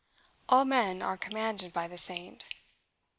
All men are commanded by the saint.